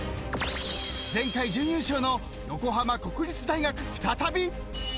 ［前回準優勝の横浜国立大学再び］